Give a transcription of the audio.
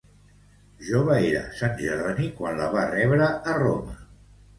Jove era Sant Jeroni quan la va rebre a Roma.